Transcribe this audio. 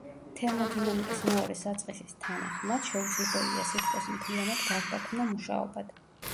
თერმოდინამიკის მეორე საწყისის თანახმად, შეუძლებელია სითბოს მთლიანად გარდაქმნა მუშაობად.